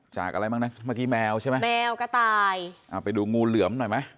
อะไรบ้างนะเมื่อกี้แมวใช่ไหมแมวกระต่ายอ่าไปดูงูเหลือมหน่อยไหม